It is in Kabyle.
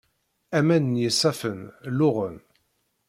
Aman n yisaffen luɣen.